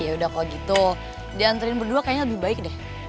yaudah kalo gitu dianterin berdua kayaknya lebih baik deh